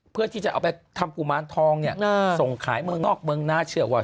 เพื่อที่จะเอาไปทำกุมารทองเนี่ยส่งขายเมืองนอกเมืองน่าเชื่อว่า